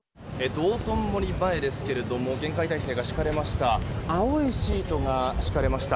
道頓堀前ですけども厳戒態勢が敷かれました。